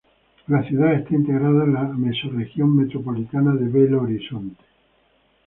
La ciudad está integrada en la mesorregión Metropolitana de Belo Horizonte.